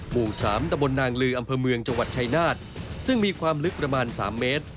หมู่สามตะบนนางลืออำเภอเมืองจังหวัดชายนาฏซึ่งมีความลึกประมาณ๓เมตร